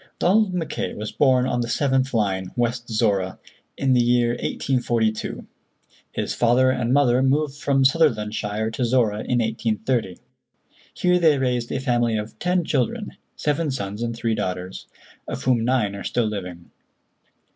Donald Mackay was born on the seventh line, West Zorra, in the year 1842. His father and mother moved from Sutherlandshire to Zorra in 1830. Here they raised a family of ten children—seven sons and three daughters—of whom nine are still living.